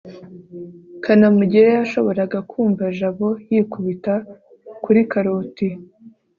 kanamugire yashoboraga kumva jabo yikubita kuri karoti